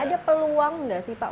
ada peluang nggak sih pak